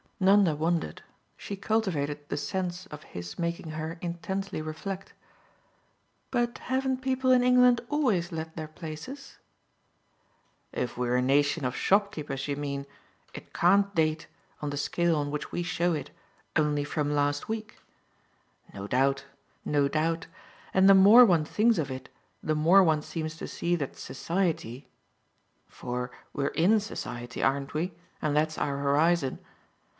Nanda wondered; she cultivated the sense of his making her intensely reflect, "But haven't people in England always let their places?" "If we're a nation of shopkeepers, you mean, it can't date, on the scale on which we show it, only from last week? No doubt, no doubt, and the more one thinks of it the more one seems to see that society for we're IN society, aren't we, and that's our horizon?